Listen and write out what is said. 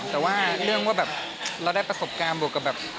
แต่ว่าเรื่องว่าแบบเราได้ประสบการณ์บวกกับแบบ